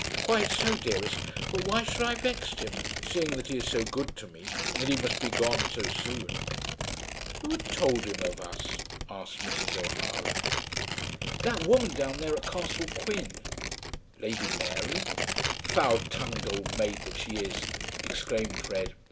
"Quite so, dearest; but why should I have vexed him, seeing that he is so good to me, and that he must be gone so soon?" "Who had told him of us?" asked Mrs. O'Hara. "That woman down there at Castle Quin." "Lady Mary?" "Foul tongued old maid that she is," exclaimed Fred.